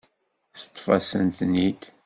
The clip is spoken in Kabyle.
Teṭṭef-asen-ten-id.